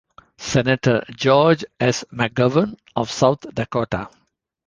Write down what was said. Senator George S. McGovern of South Dakota.